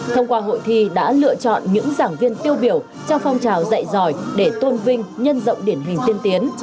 thông qua hội thi đã lựa chọn những giảng viên tiêu biểu trong phong trào dạy giỏi để tôn vinh nhân rộng điển hình tiên tiến